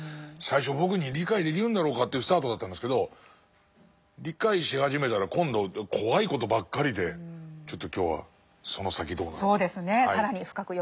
最初僕に理解できるんだろうかっていうスタートだったんですけど理解し始めたら今度怖いことばっかりでちょっと今日はその先どうなるのか。